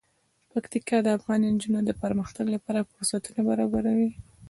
پکتیکا د افغان نجونو د پرمختګ لپاره فرصتونه برابروي.